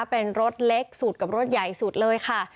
เป็นรถเล็กสุดกับรถใหญ่สุดเลยค่ะ